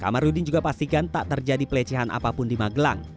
kamarudin juga pastikan tak terjadi pelecehan apapun di magelang